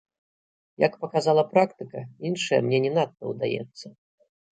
Як паказала практыка, іншае мне не надта ўдаецца.